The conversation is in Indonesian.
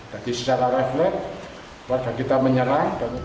jadi secara refleks warga kita menyerang